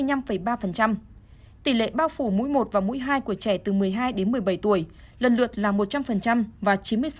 tỷ lệ bao phủ mũi một và mũi hai của trẻ từ một mươi hai đến một mươi bảy tuổi lần lượt là một trăm linh và chín mươi sáu